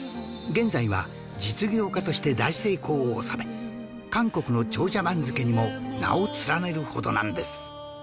現在は実業家として大成功を収め韓国の長者番付にも名を連ねるほどなんです